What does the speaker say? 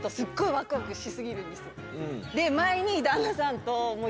で前に。